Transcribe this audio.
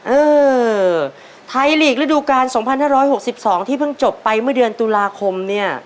เออไทยลีกระดูกาล๒๕๖๒ที่เพิ่งจบไปเมื่อเดือนตุลาคมเนี่ย